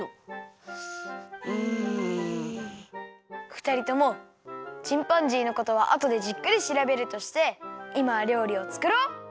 ふたりともチンパンジーのことはあとでじっくりしらべるとしていまはりょうりをつくろう！